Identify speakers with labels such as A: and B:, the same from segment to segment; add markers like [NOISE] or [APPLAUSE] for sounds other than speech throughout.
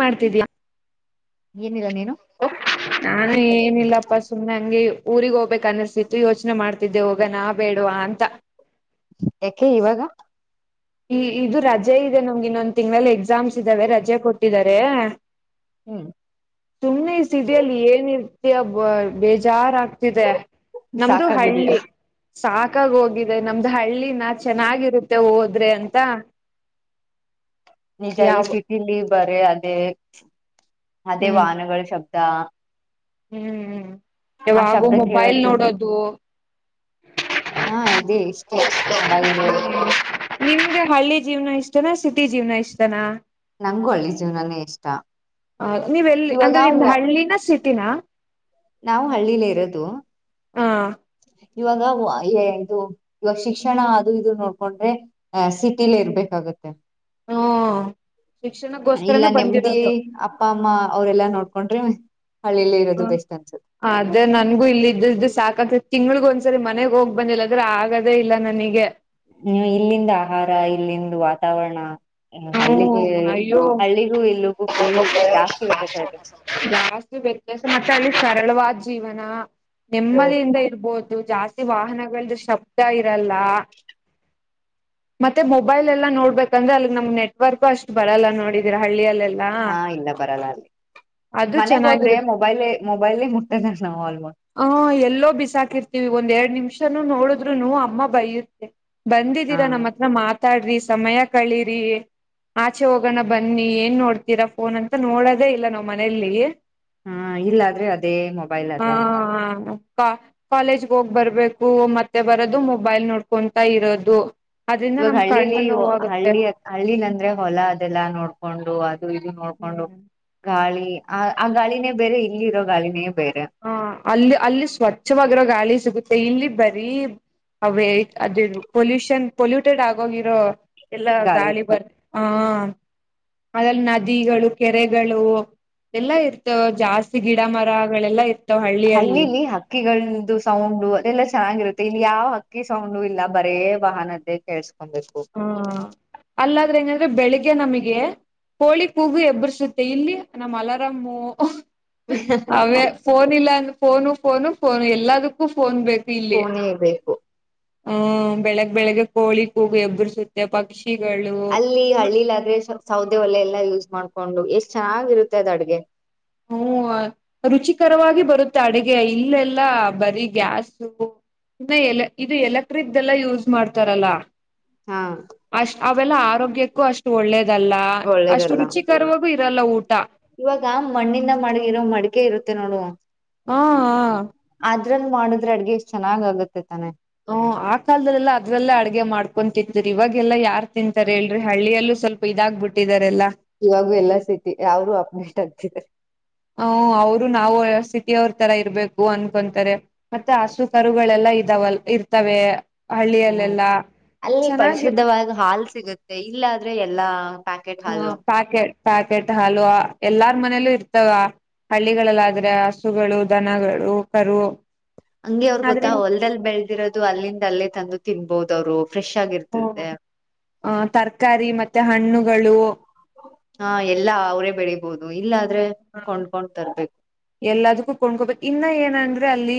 A: ಮಾಡ್ತಿದ್ಯಾ.
B: ಏನಿಲ್ಲ ನೀನು
A: ನಾನು ಏನಿಲ್ಲಪ್ಪ ಸುಮ್ನೆ ಹಂಗೆ. ಊರಿಗ್ ಹೋಗ್ಬೇಕ್ ಅಸುಸ್ತಿತ್ತು ಯೋಚ್ನೆ ಮಾಡ್ತಿದ್ದೆ ಹೋಗ ನಾ ಬೇಡ್ವ ಅಂತ.
B: ಯಾಕೆ ಇವಾಗ.
A: ಈ ಇದು ರಜೆ ಇದೆ ನಮ್ಗೆ ಇನ್ನೊಂದ್ ತಿಂಗ್ಳಲ್ ಎಕ್ಸಾಮ್ಸ್ ಇದಾವೆ ರಜೆ ಕೊಟ್ಟಿದ್ದಾರೆ.
B: ಹ್ಮ್
A: ಸುಮ್ಮ್ನೆ ಈ ಸಿಟಿಯಲ್ ಏನಿ ಬೇ ಬರ್ ಬೇಜಾರಾಗ್ತಿದೆ.
B: ಸಾಕಾಗಿದ್ಯಾ.
A: ಸಾಕಾಗ್ ಹೋಗಿದೆ ನಮ್ದು ಹಳ್ಳಿನ ಚೆನ್ನಾಗಿರುತ್ತೆ ಓದ್ ದ್ರೆ ಅಂತ.
B: ನಿಜ ಇ
A: ಯಾವ
B: ಸಿಟಿಲ್ಲಿ ಬರೆ ಅದೇ. ಅದೇ ವಾಹನಗಳ್ ಶಬ್ದ. ದಾ
A: ಹ್ಮ್್ಮ್
B: ಆ ಶಬ್ದ ಕೇಳದು ಹಾ ಇದೆ ಇಷ್ಟೇ ಮೊಬೈಲು
A: ನಿಮ್ಗೆ ಹಳ್ಳಿ ಜೀವನ ಇಷ್ಟನಾ ಸಿಟಿ ಜೀವ್ನ ಇಷ್ಟನಾ
B: ನಂಗಗೂ ಹಳ್ಳಿ ಜೀವನಾನೇ ಇಷ್ಟ
A: ಹ ನೀವೆಲ್ಲಿ
B: ಇವಾಗ
A: ಅಂದ್ರೆ ನಿಮ್ದ್ ಹಳ್ಳಿನ ಸಿ ಿನ [INAUDIBLE]
B: ನಾವು ಹಳ್ಳಿಲೆ ಇರೋದು
A: ಹಾ
B: ಇವಾಗ ಇದು ಇವಾಗ ಶಿಕ್ಷಣ ಅದು ಇದು ನೋಡ್ಕೊಂಡ್ರೆ ಅ ಸಿಟಿಲ ಇರ್ಬೇಕಾಗತ್ತೆ
A: ಹ್ಮ
B: ಇಲ್ಲ
A: ಶಿಕ್ಷಣಕ್ಕೋಸ್ಕರನೇ
B: ನೆಮದಿ
A: ಬಂದಿರೋದು
B: ಅಪ್ಪ ಅಮ್ಮ ಅವ್ರೆಲ್ಲಾ ನೋಡ್ಕೊಂಡ್ರಿ ಹಳಿಯಲ್ಲ ಇರೋದು
A: ಹ
B: ಬೆಸ್ಟ್
A: ಅದೇ ನನ್ಗೂ ಇಲ್ಲ್ದ ಇದ್ದು ಸಾಕತ್ ತಿಂಗಳಿಗೆ ಒಂದ್ಸರಿ ಮನೆಗ್ ಹೋಗ್ ಬಂದಿಲ್ಲದ್ರೆ ಆಗದೇ ಇಲ್ಲ ನನಗೆ
B: ನೀ ಇಲ್ಲಿಂದ ಆಹಾರ ಇಲ್ಲಿಂದ ವಾತಾವರಣ ಹಳ್ಳಿಗೆ
A: ಹ್ಮ ಆೋ
B: ಹಳ್ಳಿಗೂ ಇಲ್ಲಿಗೂ ಫುಲ್
A: ಗಸ್
B: ಜಾಸ್ತಿ ವ್ಯತ್ಯಾಸ ಇದೆ
A: ಬಸ ಮ ಚ ಸ ಹರಳವಾದ ಜೀವನ ನೆಮ್ಮದಿಯಿಂದ ಇರ್ಬೋದು ಅದು ಜಾಸ್ತಿ ವಾಹನಗಳ್ದ ಶಬ್ದ ಇರಲ್ಲ ಮತ್ತೆ ಮೊಬೈಲ್ ಎಲ್ಲಾ ನೋಡ್ಬೇಕಂದ್ರೆ ಅಲ್ಲಿಗ್ ನಮ್ ನೆಟ್ವರ್ಕು ಅಷ್ಟು ಬರಲ್ಲ ನೋಡಿದೀರ ಹಳ್ಳಿಯಲ್ಲೆಲ್ಲ
B: ಹಾ ಇಲ್ಲ ಬರಲ್ಲ ಅಲ್ಲಿ
A: ಅದು
B: ಮನೆಗ್ ಹೋದ್ರೆ
A: ಚೆನ್ನಾಗಿರುತ್ತೆ
B: ಮೊಬೈಲ್ ಮೊಬೈಲ್ ಮುಟ್ಟದ ನಾವು ಆಲ್ಮೋಸ್ಟ್
A: ಆ ಎಲ್ಲೋ ಬಿಸಾಕಿರ್ತೀವಿ ಒಂದ್ ಎರಡ್ ನಿಮಿಷನು ನೋಡಿದ್ರು ನ ಅಮ್ಮ ಬೈರುತ್ತೆ ಬ ನಮ್ಮ
B: ಹಾ
A: ಹತ್ರ ಮಾತ್ರ ಮಾತಾಡ್ರಿ ಸಮಯ ಕಳಿರಿ ಆಚೆ ಹೋಗೋಣ ಬನ್ನಿ ಏನ್ ನೋಡ್ತೀರಾ ಫೋನ್ ಅಂತ ನೋಡದೇ ಇಲ್ಲ ನಾವ್ ಮನೆಯಲ್ಲಿ
B: ಹಾ ಇಲ್ಲಾದ್ರೆ ಅದೇ ಮೊಬೈಲ್ ಅದೇ ಮೊಬೈಲ್
A: ಕಾಲೇಜ್ ಹೋಗ್ ಬರ್ಬೇಕು ಮತ್ತೆ ಬರೋದು ಮೊಬೈಲ್ ನೋಡ್ಕೊಂತಾ ಇರೋದು ಅದ್ರಿಂದ
B: ಇವಾಗ
A: ನಮ್
B: ಹಳ್ಳಿಲಿ
A: ಕಣ್ಣು ನೋವಾಗುತ್ತೆ.
B: ಹಳ್ಳಿ ಹಳ್ಳಿಲಿ ಅಂದ್ರೆ ಹೊಲ ಅದೆಲ್ಲಾ ನೋಡ್ಕೊಂಡು ಅ ಇದು ನೋಡ್ಕೊಂಡು
A: ಹ್ಮ್
B: ಗಾಳಿ ಆ ಆ ಗಾಳಿನೇ ಬೇರೆ ಇಲ್ಲಿರೋ ಗಾಳಿನೆ
A: ಹ ಅಲ್ಲಿ ಅಲ್ಲಿ ಸ್ವಚ್ಛವಾಗಿರೋ ಗಾಳಿ ಸಿಗುತ್ತೆ ಇಲ್ಲಿ ಬರೀ ಅವೇ ಅದ ಪೊಲ್ೂಷನ್ ಪೊಲ್ಯೂಟೆಡ್ ಆಗೋಗಿರೋ ಎಲ್ಲ ಗಾಳಿ ಬರ್ ಹಾ ಅದಲ್ಲಿ ನದಿಗಳು ಕೆರೆಗಳು ಎಲ್ಲಾ ಇರ್ತವೆ ಜಾಸ್ತಿ ಗಿಡ ಮರಗಳೆಲ್ಲ ಇ
B: ಹಳ್ಳಿಲಿ ಹಕ್ಕಿಗಳ ನಿಮ್ದು ಸೌಂಡು ಅದೆಲ್ಲಾ ಚೆನ್ನಾಗಿರುತ್ತೆ ಇಲ್ ಯಾವ್ ಹಕ್ಕಿ ಸೌಂಡು ಇಲ್ಲ ಬರೇ ವಾಹನದ್ದೆ ಕೇಳ್ಸ
A: ಹಾ ಅಲ್ಲಾದ್ರೆ ಹೆಂಗಂದ್ರೆ ಬೆಳಿಗ್ ಗೆ ನಮ್ಗೆ ಕೊಳಿ ಕೂಗಿ ಎಬ್ಬುರ್ಸುತ್ತೆ ಇಲ್ಲಿ ನಮ್ ಅಲರಾಮು. ಅವೇ ಫೋನ್ ಇಲ್ಲ ಅಂ ಫೋನು ಫೋನು ಫೋನು ಎಲ್ಲದುಕ್ಕೂ ಫೋನ್ ಬೇಕ್
B: ಫೋನೇ ಬೇಕು.
A: ಹ್ಮ್ ಬೆಳಗ್ ಬೆಳಗ್ಗೆ ಕೋಳಿ ಕೂಗಿ ಎಬ್ ಗುಡ್ಸಿದ್ದೆ ಪಕ್ಷ್
B: ಅಲ್ಲಿ ಹಳ್ಳಿಲ್ ಆದ್ರೆ ಸೌದೆ ಒಲೆ ಎಲ್ಲಾ ಯೂಸ್ ಮಾಡ್ ಕೊಂಡು ಎಷ್ಟ್ ಚೆನ್ನಾಗಿರುತ್ತೆ ಅದ್ ಅಡ್ಗೆ.
A: ಹ್ಮ ರುಚಿಕರವಾಗಿ ಬರುತ್ತೆ ಅಡ್ಗೆ ಇಲ್ಲೆಲ್ಲ ಬರೀ ಗ್ಯಾಸು ಇನ್ನ ಎಲೆ ಇದು ಎಲೆಕ್ಟ್ರಿಕ್ದೆಲ್ಲ ಯೂಸ್ ಮಾಡ್ತಾರಲ್ಲ.
B: ಹಾ
A: ಅಷ್ಟ್ ಅವೆಲ್ಲ ಆರೋಗ್ಯಕ್ ಕು ಅಷ್ಟು ಒಳ್ಳೇದ್ ದಲ್ಲ ಅಷ್ಟು
B: ಒಳ್ಳೇದಲ್ಲ
A: ರುಚಿಕರವಾಗು ಇರ್ ರಲ್ಲ ಊಟ.
B: ಇವಾಗ ಮಣ್ಣಿಂದ ಮಾಡ್ಗಿರೋ ಮಡ್ಕೆ ಇರುತ್ತೆ ನೋಡು.
A: ಹಾ ಹ.
B: ಇದ್ರಲ್ ಮಾಡುದ್ರೆ ಅಡ್ಗೆ ಎಷ್ಟ್ ಚೆನ್ನಾಗ್ ಆಗುತ್ತೆ. ತಾನೆ
A: ಓ ಆ ಕಾಲ್ದಲ್ಲೆಲ್ಲಾ ಅದ್ರಲ್ಲೇ ಅಡ್ಗೆ ಮಾಡ್ ಹಾಕೊಂತಿದ್ರು ಇವಾಗೆಲ್ಲಾ ಯಾರ್ ತಿಂತರ್ ಹೇಳ್ರಿ ಹಳ್ಳಿಯಲ್ಲೂ ಸ್ವಲ್ಪ ಇದಾಗ್ಬುಟ್ಟಿದಾರೆಲ್ಲಾ.
B: ಚಿತೆ.
A: ಹ ಅವ್ರು ನಾವು ಸಿಟಿ ಅವ್ರ ತರ ಇರ್ಬೇಕು ಅನ್ಕೊಂತಾರೆ ಮತ್ತೆ ಹಸು ಕರುಗಳೆಲ್ಲಾ ಇದಾವಲ್ ಇರ್ತವೆ.
B: ಹ್ಮ್
A: ಹಳ್ಳಿಯಲ್ಲೆಲ್ಲಾ
B: ಅಲ್ಲಿ
A: ಚೆನ್ನಾಗಿ
B: ಪರಿಶುದ್ಧವಾದ್ ಹಾಲ್ ಸಿಗುತ್ತೆ ಇಲ್ಲಾದ್ರೆ ಎಲ್ಲಾ. ಪ್ಯಾಕೆಟ್
A: ಹ
B: ಹಾಲು
A: ಪ್ಯಾಕೆ ಪ್ಯಾಕೆಟ್ ಹಾಲು ಎಲ್ಲಾರ್ ಮನೇಲ್ಲೂ ಇರ್ ಅಥವಾ ಹಳ್ಳಿಗಳಲ್ಲಾದ್ರೆ ಹಸುಗಳು ದನಗಳು ಕರು.
B: ಹಂಗೆ ಅವ್ರ್
A: ಆದ್ರೆ
B: ಗೊತ್ತಾ ಹೊಲ್ದಲ್ ಬೆಳ್ದಿರೋದು ಅಲ್ಲಿಂದ್ ಅಲ್ಲೇ ತಂದು ತಿನ್ಬೊದ್ ಅವ್ರು. ಫ್ರೆಶ್
A: ಹ್ಮ
B: ಆಗಿರ್ತತೆ
A: ಆ ತರ್ಕಾರಿ ಮತ್ತೆ ಹಣ್ಣುಗಳು.
B: ಹಾ ಎಲ್ಲಾ ಅವ್ರೇ ಬೆಳಿಬೊದು ಇಲ್ಲ ದ್ರೆ ಕೊಂಡ್ಕೊಂಡ್ ತರ್ಬೇಕು.
A: ಎಲ್ಲದಕ್ಕೂ ಕೊಂಡ್ಕೋಬೇಕು ಇನ್ನ ಏನಂದ್ರೆ ಅಲ್ಲಿ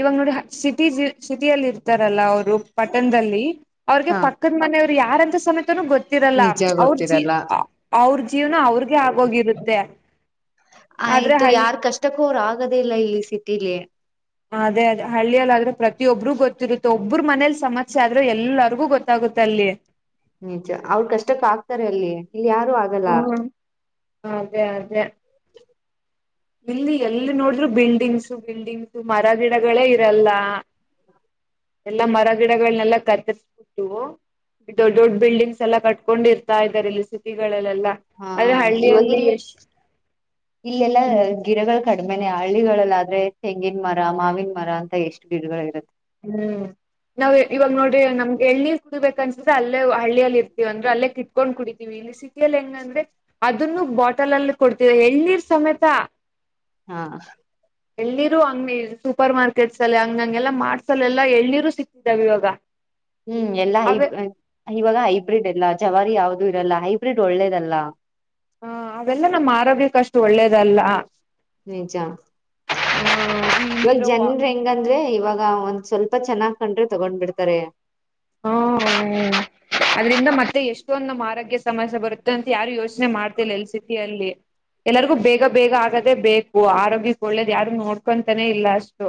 A: ಇವಾಗ್ ನೋಡಿ ಸಿಟಿ ಸಿಟಿಯಲ್ಲಿ ಇರ್ತಾರಲ್ಲ ಅವ್ರ್ ರು ಪಟನ್ದಲ್ಲಿ ಅವ್ರಗೆ
B: ಹಾ
A: ಪಕ್ಕದ್ ಮನೆಯವ್ರ್ ಯಾರಂತ ಸಮೆ ತನು ಗೊತ್ತಿರಲ್ಲ
B: ನಿಜ
A: ಅವ್ರ್ ಜೀ
B: ಗೊತ್ತಿರಲ್ಲ
A: ಅವ್ರ್ ಜೀವ್ನ ಅವ್ರ್ಗೆ ಆಗೋಗಿರುತ್ತೆ. ಆದ್ರೆ
B: ಆಯ್ತು
A: ಹಳ್ಳಿ
B: ಯಾರ್ ಕಷ್ಟ ಬೋರ್ ಆಗದೇ ಇಲ್ಲ ಇಲ್ಲಿ ಸಿಟಿಲಿ
A: ಅದೇ ಅದೇ ಹಳ್ಳಿಯಲ್ಲಾದ್ರೆ ಪ್ರ ಒಬ್ಬರಿಗೂ ಗೊತ್ತಿರುತ್ತೆ ಒಬ್ಬ್ರ ಮನೇಲಿ ಸಮಸ್ಯೆ ಆದ್ರರು ಎಲ್ಲರಿಗೂ ಗೊತ್ತಾಗುತ್ತೆ ಅಲ್ಲಿ
B: ನಿಜ ಅವ್ರ ಕಷ್ಟಕ್ಕ ಆಗ್ತಾರೆ ಅಲ್ಲಿ ಇಲ್ಲಿ ಯಾರು ಆಗಲ್ಲ
A: ಹ್ಮ ಅದೇ -ಅದೇ ಇಲ್ಲಿ ಎಲ್ಲಿ ನೋಡ್ರು ಬಿಲ್ಡಿಂಗ್ಸು -ಬಿಲ್ಡಿಂಗ್ಸು ಮರ ಗಿಡಗಳೇ ಇರಲ್ಲ ಎಲ್ಲಾ ಮರ ಗಿಡಗಳನೆೆಲ್ಲ ಕತ್ತರ್ಬಿಟ್ಟು ದೊಡ್ ದೊಡ್ಡ ಬಿಲ್ಡಿಂಗ್ಸ್ ಎಲ್ಲ ಕಟ್ಕೊಂಡ್ ಇರ್ತಾ ಇದಾರೆ ಇಲ್ಲಿ ಸಿಟಿಗಳಲ್ಲಿ
B: ಹಾ
A: ಅದ ಹಳ್ಳಿಯ ಯಶ್
B: [UNINTELLIGIBLE] ಗಿಡಗಲ್ ಕಡಿಮೆ ನಮ್ಮ ಹಳ್ಳಿಗಳಲ್ಲಿ ಆದ್ರೆ ತೆಂಗಿನ ಮರ ಮಾವಿನ ಮರ ಅಂತ ಎಷ್ಟು ಗಿಡಗಳು ಇರುತ್ತೆ
A: ಹ್ಮ್ ನಾವ್ ಇವಾಗ ನೋಡ್ರಿ ನಮ್ಗೆ ಎಳ್ನ ಕುಡಿಬೇಕ ಅನ್ಸುತ್ತೆ ಅಲ್ಲೇ ಹಳ್ಳಿಯಲ್ಲಿ ಇರ್ತೀವ ಅಂದ್ರೆ ಅಲ್ಲೇ ಕಿಟ್ಕೊಂಡ್ ಕುಡಿತೀವಿ ಇಲ್ಲಿ ಸಿಟಿಯಲ್ಲಿ ಹೆಂಗಂದ್ರೆ ಅದನ್ನು ಬಾಟಲ ಅಲ್ಲಿ ಕೊಡ್ತೀವಿ ಎಳ್ಳೀರ್ ಸಮೇತ
B: ಹಾ
A: ಎಲ್ಲಿರೂ ಹಂಗ ಸೂಪರ್ ಮಾರ್ಕೆಟ್ಸ್ ಅಲ್ಲಿ ಹಂಗ ಹಂಗೆಲ್ಲ ಮಾಡ್ತ ಕೆಲವೆಲ್ಲ ಎಳ್ನೀರು ಸಿಕ್ತಾವೆ ಇವಾಗ
B: ಹ್ಮ್ ಎಲ್ಲಾ
A: ಅವೆ
B: ಹೈಬ್ರ್ ಇವಾಗ ಹೈಬ್ರಿಡ್ ಎಲ್ಲ ಚವಾರಿ ಯಾವುದೂ ಇರಲ್ಲ ಹೈಬ್ರಿಡ್ ಒಳ್ಳೇದಲ್ಲ
A: ಹಾ ಅವೆಲ್ಲ ನಮ್ಮ ಆರೋಗ್ಯಕ್ಕ ಅಷ್ಟು ಒಳ್ಳೇದಲ್ಲ ಹ್ಮ್ [UNINTELLIGIBLE]
B: ಏ ಜನ್ರ ಹೆಂಗಂದ್ರೆ ಇವಾಗ ಸ್ವಲ್ಪ ಚೆನ್ನಾಗ್ ಕಂಡ್ರೆ ತಗೊಂಡ್ಬಿಡ್ತಾರೆ
A: ಹ್ಮ ನೇ [UNINTELLIGIBLE] ಆದರಿಂದ ಮತ್ತೆ ಎಷ್ಟು ಇಷ್ಟೊಂದ ನಮ್ಮ್ ಆರೋಗ್ಯ ಸಮಸ್ಯೆ ಬರುತ್ತೆ ಅಂತ ಯಾರು ಯೋಚನೆ ಮಾಡ್ತಿಲ್ಲ ಎಲ್ಲಿ ಸಿಟಿಯಲ್ಲಿ ಎಲ್ಲರಿಗೂ ಬೇಗ -ಬೇಗ ಆಗದೇ ಬೇಕು ಆರೋಗ್ಯಕ್ಕೆ ಒಳ್ಳೇದ ಯಾರು ನೋಡ್ಕೊಂತಾನೇ ಇಲ್ಲ ಅಷ್ಟು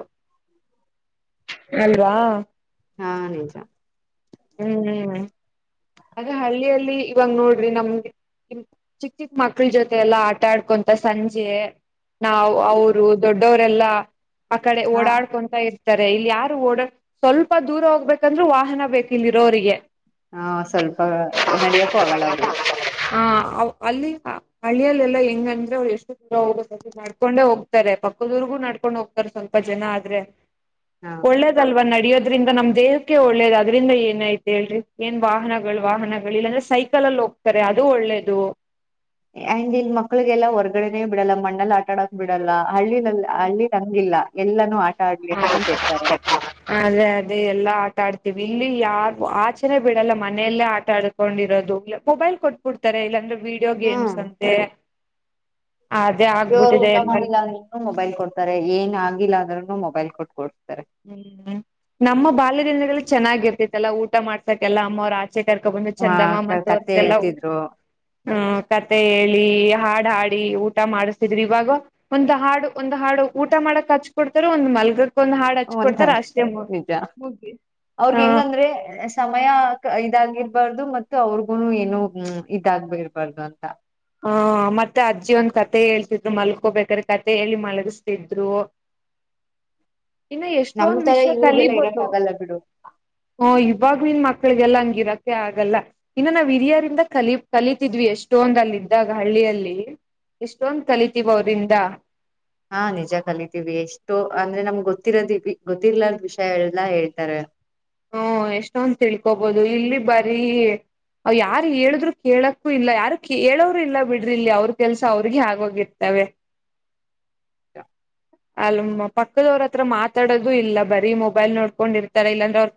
A: ಅಲ್ವಾ
B: ಹಾ ನಿಜ
A: ಹ್ಮ್- ಹ್ಮ್ ಅ ಹಳ್ಳಿಯಲ್ಲಿ ಇವಾಗ ನೋಡ್ರಿ ನಮ್ಗೆ ಚಿಕ್ಕ ಚಿಕ್ ಮಕ್ಳ ಜೊತೆ ಎಲ್ಲಾ ಆಟ ಆಡ್ಕೊಂತ ಸಂಜೆ ನಾ್ ಅವರು ದೊಡ್ಡ ವರೆಲ್ಲಾ ಆ ಕಡೆ
B: ಹಾ
A: ಓಡಾಡ್ಕೊಂತ ಇ ತಾರೆ ಇಲ್ಲಿ ಯಾರು ಓಡ ಸ್ವಲ್ಪ ದೂರ ಹೋಗ್ಬೇಕಂದ್ರರು ವಾಹನ ಬೇಕಿಲ್ಲಿ ಇರೋರಿಗೆ
B: ಹಾ ಸ್ವಲ್ಪ ನಡಿಯಕ್ ಆಗಲ್ಲ ಅವ್ರಿಗೆ
A: ಹ ಅಲ್ಲಿ ಹಳ್ಳಿಯಲ್ಲೆಲ್ಲಾ ಹೆಂಗಂದ್ರೆ ಅವ್ರು ಎಷ್ಟು ದೂರ ಹೋಗ ನಡ್ಕೊಂಡೆ ಹೋಗ್ತಾರೆ ಪಕ್ಕದವರ್ಗೂ ನಡ್ಕೊಂಡ್ ಹೋಗ್ತಾರೆ ಸ್ವಲ್ಪ ಜನ ಆದ್ರೆ
B: ಹ
A: ಒಳ್ಳೇದಲ್ವಾ ನಡಿಯೋದು ಅದ್ರಿಂದ ನಮ್ ದೇಹಕ್ಕೆ ಒಳ್ಳೇದ ಅದ್ರಿಂದ ಏನ ಐತಿ ಹೇಳ್ರಿ ಏನ್ ವಾಹನಗಳು ವಾಹನಗಳು ಇಲ್ಲಾಂದ್ರೆ ಸೈಕಲ್ಲ್ಲಿ ಹೋಗ್ತಾರೆ ಅದು ಒಳ್ಳೇದು
B: ಆಂಡ್ ಇಲ್ ಮಕ್ಳಿಗೆಲ್ಲಾ ಹೊರ್ಗಡೆನೆ ಬಿಡಲ್ಲ ಮಣ್ಣಲ್ ಆಟ ಆಡಕ್ ಬಿಡಲ್ಲ. ಹಳ್ಳಿಲಿಲ್ ಹಳ್ಳಿಲ್ ಅಂಗಿಲ್ಲ. ಎಲ್ಲಾನೂ ಆ
A: ಅದೇ ಅದೇ ಎಲ್ಲಾ ಆಟ ಆಡ್ ದಿವಿ ಇಲ್ಲಿ ಯಾರು ಆಚನೆ ಬಿಡಲ್ಲ ಮನೆಲ್ಲೇ ಆಟ ಆಡ್ಕೊಂಡಿರೋದು ಮೊಬೈಲ್ ಕೊಟ್ಬುಡ್ತಾರೆ ಇಲ್ಲಾಂದ್ರೆ. ವೀಡಿಯೋ ಗೇಮ್ಸ್ ಅಂತೆ. ಅದೇ
B: ದೇವ್ರ್
A: ಆಗ್ಬಿಟ್ಟಿದೆ
B: ಊಟ
A: ಎಲ್ಲಾರ
B: ಮಾಡಿಲ್ಲ ಅಂದ್ರೂನು ಮೊಬೈಲ್ ಕೊಡ್ತಾರೆ ಏನ್ ಆಗಿಲ್ಲ ಅಂದ್ರುನು ಮೊಬೈಲ್ ಕೊಡ್ತಾರೆ. ಕೊರ್
A: ಹ್ಮ್ ನಮ್ಮ ಬಾಲ್ಯ ದಿನಗಳಿ ಚೆನ್ನಾಗಿರ್ತಿತೆಲ್ಲಾ ಊಟ ಮಾಡ್ಸಾಕ್ ಎಲ್ಲ ಅಮ್ಮೂರ್ ಆ ಚೆ ಕರ್ಕೊ ಬಂದು
B: ಹ
A: ಚಂದಮ್ಮ
B: ಕತೆ
A: ತೋರ್ಸೆಲ್ಲ
B: ಹೇಳ್ತಿದ್ರು
A: ಆ ಕತೆ ಹೇಳಿ. ಹಾ ಹಾಡಿ ಊಟ ಮಾಡ್ತಿದ್ರು ಇವಾಗ ಒಂದ್ ಹಾಡು ಒಂದ್ ಹಾಡು ಊಟ ಮಾಡಕ್ ಹಚ್ ಕೊಡ್ತರು ಒಂದ್ ಮಲ್ಗಕ್ ಒಂದ್ ಹಾ
B: ಒಂದಾರ್ ನಿಜ
A: ಹ
B: ಅವ್ರಗ್ ಹೆಂಗಂದ್ರೆ ಸಮಯ. ಇದಾಗಿರ್ಬಾರ್ದು ಮತ್ತು ಅವ್ರಗುನು ಏನು ಇದಾಗ್ ಇರ್ಬಾರ್ದು ಅಂತ.
A: ಹಾ ಮತ್ತೆ ಅಜ್ಜಿ ಒಂದ್ ಕತೆ ಹೇಳ್ತಿದ್ರು ಮಲ್ಕೋಬೇಕ್ರೆ ಕತೆ ಹೇಳಿ ಮಲಗಸ್ತಿದ್ರು. ಇನ್ನು
B: ನಮ್
A: ಎಷ್ಟೊಂದ್
B: ತರ
A: ವಿಷ್ಯ
B: ಇವ್ರಿಗೆಲ್ಲ ಇರಕ್
A: ಕಲಿಬೋದು
B: ಆಗಲ್ಲ ಬಿಡು
A: ಹು ಇವಾಗ್ ನಿನ್ ಮಕ್ಳಿಗೆಲ್ಲ ಹಂಗಿರಕ್ಕೆ ಆಗಲ್ಲ ಇನ್ನು ನಾವು ಹಿರಿಯರಿಂದ ಕಲಿ ಕಲಿತಿದ್ವಿ ಎಷ್ಟೊಂದ್ ಅಲ್ಲಿಂದ. ಇದ್ದಾಗ್ ಹಳ್ಳಿಯಲ್ಲಿ ಎಷ್ಟೊಂದ್ ಕಲಿತಿವ್ ಅವ್ರಿಂದ.
B: ಹಾ ನಿಜ ಕಲಿತೀವಿ ಎಷ್ಟೋ ಅಂದ್ರೆ ನಮ್ಗ್ ಗೊತ್ತಿರೋದ ಗೊತ್ತಿಲರ್ ವಿಷ್ಯ ಎಲ್ಲಾ ಹೇಳ್ತಾರೆ.
A: ಹ್ಮ ಎಷ್ಟೊಂದು ತಿಳ್ಕೋಬೋದು ಇಲ್ಲಿ ಬರೀ ಅವ್ ಯಾರ್ ಹೇಳುದ್ರು ಕೇಳಕ್ಕೂ ಇಲ್ಲ ಯಾರು ಕೆಳೋರು ಇಲ್ಲ ಬಿಡ್ರಿ ಇಲ್ಲಿ ಅವ್ಇ ಕೆಲ್ಸ ಅವ್ರಿಗೆ ಆಗೋಗಿರ್ತವೆ. ಅಲ್ಮ್ ಪಕ್ಕದವ್ರತ್ರ ಮಾತಾಡೋದು ಇಲ್ಲ ಬರೀ ಮೊಬೈಲ್ ನೋಡ್ಕೊಂಡ್ ಇರ್ತಾರ ಇಲ್ಲಾಂದ್ರೆ ಅವ್ರ್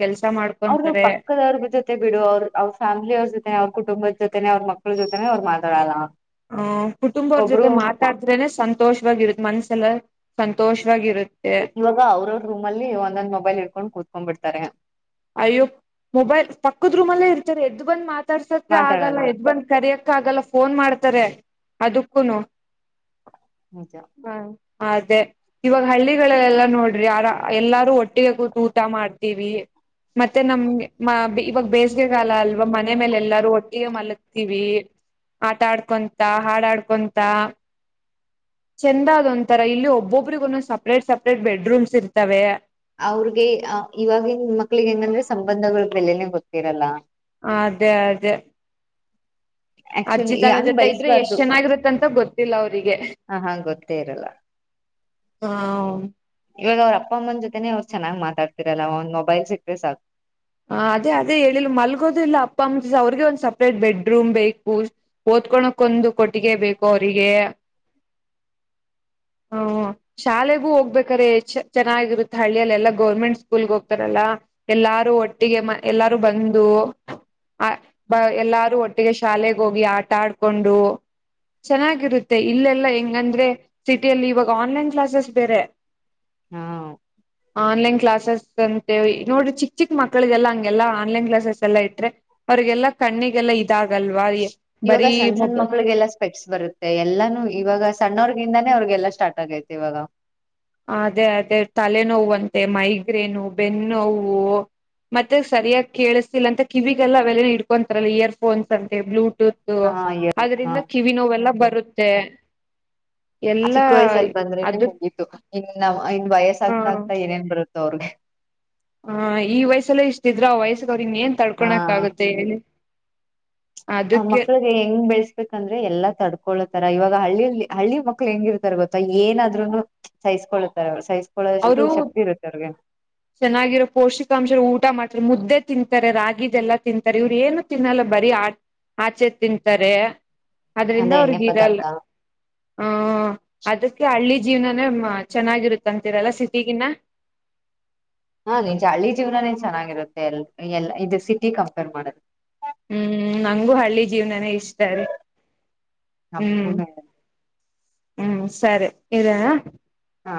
B: ಅವ್ರ್ ಪಕ್ಕದವ್ರ್ ಜೊತೆ ಬಿಡು ಅವ್ರ್ ಅವ್ರ್ ಫ್ಯಾಮಿಲಿ ಅವ್ರ್ ಜೊತೆ ಅವ್ರ್ ಕುಟುಂಬುದ್ ಜೊತೆನೆ ಅವ್ರ್ ಮಕ್ಳು ಜೊತೆನೆ ಅವ್ರ್ ಮಾತಾಡಲ್ಲ.
A: ಹ ಕುಟುಂಬವ್ರ ಜೊತೆ
B: ಒಬ್ರು
A: ಮಾತಾಡ್ದೆನೆ ಸಂತೋಷವಾಗಿರುತ್ ಮನ್ಸೆಲ್ಲ. ಸಂತೋಷವಾಗಿರುತ್
B: ಇವಾಗ ಅವ್ರ ಅವ್ರ ರೂಮಲ್ಲಿ ಒಂದೊಂದ್ ಮೊಬೈಲ್ ಹಿಡ್ಕೊಂಡ್ ಕುೂತ್ಕೊಂಡ್ ಬಿಡ್ ತರೆ
A: ಅಯ್ಯ ಮೊಬೈಲ್ ಪಕ್ಕದ್ ರೂಮಲ್ಲೇ ಇರ್ತಾರೆ ಎದ್ದು ಬಂದ್ ಮಾತ್ ತಾಡ್ಸೋಕೆ ಆಗಲ್ಲ
B: ಮಾತಾಡಲ್ಲ
A: ಎದ್ದ್ ಬಂದ್ ಕರಿಯಕ್ ಕಾಗಲ್ಲ ಫೋನ್ ಮಾಡ್ತಾರೆ ಅದಕ್ಕೂನು
B: ನಿಜ
A: ಅದೇ ಇವಾಗ ಹಳ್ಳಿಗಳಲ್ಲೆಲ್ಲಾ ನೋಡ್ರಿ ಆರ ಎಲ್ಲಾರೂ ಒಟ್ಟಿಗೆ ಕೂತ್ ಊಟ ಮಾಡ್ತೀವಿ. ಮತ್ತೆ ನಮ್ ಮ ಗ್ ಇವಾಗ ಬೇಸಿಗೆಗಾಲ ಅಲ್ವಾ ಮನೆ ಮೇಲೆ ಎಲ್ಲಾರೂ ಒಟ್ಟಿಗೆ ಮಲಗ್ತೀವಿ ಆಟ ಆಡ್ಕೊಂತ ಹಾಡಾಡ್ಕೊಂತ ಚಂದಾದ ಒಂಂತರ ಇಲ್ಲಿ ಒಬ್ಬೊಬ್ರಿಗ ಒಂದು ಸಪ್ರೇಟ್ ಸಪ್ರೇಟ್ ಬೆಡ್ರೂಮ್ಸ್ ಇರ್ತವೆ.
B: ಅವ್ರಗೆ ಆ ಇವಾಗಿನ್ ಮಕ್ಳಿಗೆ ಏನಂದ್ರೆ ಸಂಬಂಧಗಳ್ ಬೆಲೆನೆ ಗೊತ್ತಿರಲ್ಲ.
A: ಅದೇ ಅದೇ ಅಜ್ಜಿ
B: ಆಕ್ಚುಲಿ
A: ತಾತ
B: ಹಂಗ್
A: ಜೊತೆ ಇದ್ರೆ ಎಷ್ಟ್
B: ಬೆಳೆಸ್ಬಾರ್ದು
A: ಚೆನ್ನಾಗಿರುತ್ತಂತ ಗೊತ್ತಿಲ್ಲ ಅವರಿಗೆ
B: ಹ ಹಾ ಗೊತ್ತೇ ಇರಲ್ಲ
A: ಹಾ
B: ಇವಾಗ ಅವ್ರ ಅಪ್ಪ ಅಮ್ಮನ ಜೊತೆನೆೇ ಚೆನ್ನಾಗಿ ಮಾತಾಡ್ತಿರಲ್ಲ ಒಂದ್ ಮೊಬೈಲ್ ಸಿಕ್ಕರೆ ಸಾಕು
A: ಹ ಅದೇ ಅದೇ ಹೇಳ ಮಲ್ಗೋದಿಲ್ಲ ಅಪ್ಪ ಅಂಗ ಅವ್ರಿಗೆ ಒಂದ್ ಸಪ್ರೇಟ್ ಬೆಡ್ರೂಮ್ ಬೇಕು ಓದ್ಕೋಳಕ್ ಒಂದು ಕೊಟ್ಟಿಗೆ ಬೇಕು ಅವ್ರಿಗೆ ಹ ಶಾಲೆಗೂ ಹೋಗ್ಬೇಕಾರೆೆ ಚೆನ್ನಾಗಿರುತ್ತೆ ಹಳ್ಳಿಯಲ್ಲಿ ಎಲ್ಲಾ ಗೌರ್ಮೆಂಟ್ ಸ್ಕೂಲ್ಗ್ ಹೋಗ್ತಾರಲ್ಲಾ ಎಲ್ಲಾರೂ ಒಟ್ಟಿಗೆ ಎಲ್ಲಾರು ಬಂದು ಅ ಎಲ್ಲಾರು ಒಟ್ಟಿಗೆ ಶಾಲೆಗೆ ಹೋಗಿ ಆಟ ಆಡ್ಕೊಂಡು ಚೆನ್ನಾಗಿರುತ್ತೆ ಇಲ್ಲೆಲ್ಲ ಹೆಂಗಂದ್ರೆ ಸಿಟಿಯಲ್ಲಿ ಇವಾಗ ಆನ್ಲೈನ್ ಕ್ಲಾಸಸ್ ಬೇರೆ
B: ಹಾ
A: ಆನ್ಲೈನ್ ಕ್ಲಾಸಸ್ ಅಂತೆ ನೋಡಿ ಚಿಕ್ ಚಿಕ್ ಮಕ್ಳು ಮಕ್ಕಳಿಗೆಲ್ಲ ಹಂಗೆಲ್ಲಾ ಆನ್ಲೈನ್ ಕ್ಲಾಸಸ್ ಎಲ್ಲ ಇಟ್ಟ್ರೆ ಅವ್ರರಿಗೆಲ್ಲ ಕಣ್ಣಿಗೆಲ್ಲ ಇದಾಗಲ್ವಾ
B: ಇವಾಗ
A: ಬರೀ
B: ಸಣ್ಣ ಸಣ್ಣ
A: ಮೊಬೈಲ್
B: ಮಕ್ಳಿಗೆಲ್ಲ ಸ್ಪೆಕ್ಸ್ ಬರುತ್ತೆ ಎಲ್ಲಾನು ಇವಾಗ ಸಣ್ಣವ್ರಿಗೆ ನಿಮ್ಮನೆ ಅವ್ರಿಗೆಲ್ಲ ಸ್ಟಾರ್ಟ್ ಆಗೈತೆ ಇವಾಗ
A: ಅದೇ ಅದೇ ತಲೆನೋವು ಅಂತೆ ಮೈಗ್ರೇನು ಬೆನ್ನು ನೋವು ಮತ್ತೆ ಸರಿಯಾಗಿ ಕೇಳಿಸ್ತಿಲ್ಲ ಅಂತ ಕಿವಿಗೆಲ್ಲ ಅವೆಲ್ಲ ಇಡ್ಕೊತಾರಲ್ಲ ಇಯರ್ಫೋನ್ಸ್ ಅಂತೆ ಬ್ಲೂಟೂತ್
B: ಹಾ
A: [UNINTELLIGIBLE]
B: ಹಾ
A: ಅದರಿಂದ ಕಿವಿ ನೋವೆಲ್ಲ ಬರುತ್ತೆ
B: ಆ
A: ಎಲ್ಲಾ
B: ಚಿಕ್ಕ ವಯಸ್ಸಲ್ಲಿ ಬಂದ್ರೆನೆ
A: ಅದು
B: ಹಂಗಿಇತ್ತು ಇನ್ ಇನ್ ವಯಸ್ಸ
A: ಹ
B: ಆಗ್ ಆಗ್ತಾ ಏನೇನ್ ಬರುತ್ತೆ ಅವ್ರಿಗೆ
A: ಹ ಈ ವಯಸ್ಸಲ್ಲ ಇಷ್ಟಿದ್ರು ಆ ವಯಸ್ಸ ಅವ್ರಂಗ ಏನ್
B: ಹಾ
A: ತಡ್ಕೊಳಕ್ ಆಗುತ್ತೆ ಹೇಳಿ
B: ಆ
A: ಅದಕ್ಕೆ
B: ಮಕ್ಳಿಗೆ ಹೆಂಗ್ ಬೆಳಸ ಬಂದ್ರೆ ಎಲ್ಲಾ ತಡ್ಕೊಳ್ಳತಾರ ಇವಾಗ ಹಳ್ಳಿಯ ಹಳ್ಳಿ ಮಕ್ಳು ಹೆಂಗಿರ್ತಾರ ಗೊತ್ತಾ ಏನಾದ್ರು ಸಹಿಸ್ಕೊಳ್ಳತಾರ ಸಹಿಸಿ
A: ಅವರು ಚೆನ್ನಾಗಿರೋ ಪೌಷ್ಟಿಕಾಂಶ ಊಟ ಮಾಡ ಮುದ್ದೆ ತಿಂತಾರೆ ರಾಗಿದೆಲ್ಲಾ ತಿಂತಾರೆ ಇವ್ರ ಏನು ತಿನ್ನಲ್ಲ ಬರೀ ಆ ಆಚೆ ತಿಂತಾರೆ ಅದರಿಂದ
B: ಅಂದ್ರೆ ಎಣ್ಣೆ
A: ಅವರಿಗೆ ಇರಲ್ಲ
B: ಪದಾರ್ಥ
A: ಹ ಅದಕ್ಕೆ ಹಳ್ಳಿ ಜೀವನನೇ ಚೆನ್ನಾಗಿರುತ್ತಂತೆ ಇವರೆಲ್ಲ ಸಿಟಿಗಿನ್ನ
B: ಹು ನಿಜ ಹಳ್ಳಿ ಜೀವನಾನೇ ಚೆನ್ನಾಗಿರುತ್ತೆ ಅಲ್ಲಿ ಇ ಇದು ಸಿಟಿ ಕಂಪೇರ್ ಮಾಡದು
A: ಹ್ಮ್ ನಂಗೂ ಹಳ್ಳಿ ಜೀವನನೇ ಇ ಇಷ್ಟ ರೀ ಹ್ಮ್
B: ನಮ್ಗೂನು
A: ಹ್ಮ್ ಸರಿ ಇದ
B: ಹಾ